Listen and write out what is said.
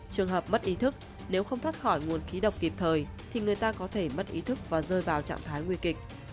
trường hợp mất ý thức nếu không thoát khỏi nguồn khí độc kịp thời thì người ta có thể mất ý thức và rơi vào trạng thái nguy kịch